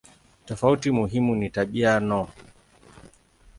Tofauti muhimu ni tabia no.